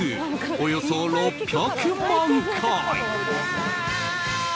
およそ６００万回！